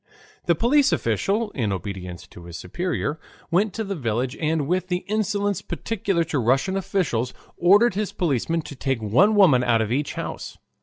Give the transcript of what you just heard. The police official, in obedience to his superior, went to the village and with the insolence peculiar to Russian officials ordered his policemen to take one woman out of each house.